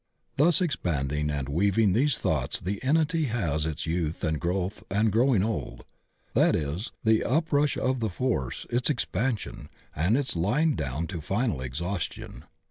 Thus ex panding and weaving these thoughts the entity has its youth and growth and growing old; that is, the uprush of the force, its expansion, and its dying down to final exhaustion.